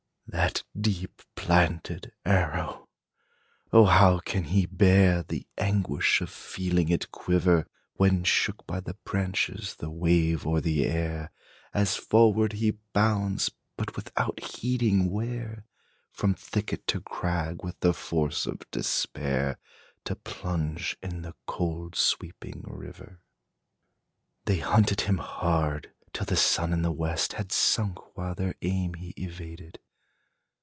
That deep planted arrow! O how can he bear The anguish of feeling it quiver, When shook by the branches, the wave, or the air, As forward he bounds, but without heeding where, From thicket to crag, with the force of despair, To plunge in the cold, sweeping river? They hunted him hard, till the sun in the west Had sunk, while their aim he evaded.